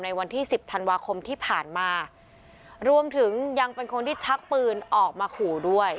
วันที่สิบธันวาคมที่ผ่านมารวมถึงยังเป็นคนที่ชักปืนออกมาขู่ด้วย